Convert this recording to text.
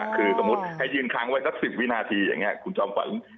คือสมมุติให้ยืนค้างไว้สัก๑๐วินาทีคุณจอมฝัน